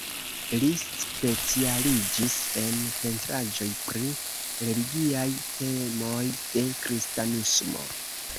Li specialiĝis en pentraĵoj pri religiaj temoj de kristanismo.